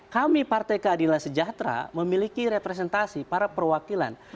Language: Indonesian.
kami partai keadilan sejahtera memiliki representasi para perwakilan